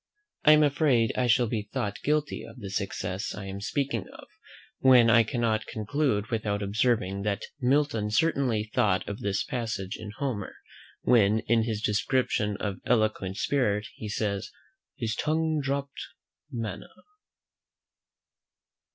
I am afraid I shall be thought guilty of this excess I am speaking of, when I cannot conclude without observing that Milton certainly thought of this passage in Homer, when, in his description of an eloquent spirit, he says "His tongue dropped manna."